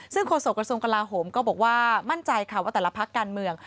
ซึ่งโฆษกระทรวงกลาโหมก็บอกว่ามั่นใจค่ะว่าแต่ละพักการเมือง